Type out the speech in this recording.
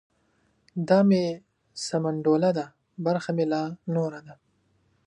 ـ دا مې سمنډوله ده برخه مې لا نوره ده.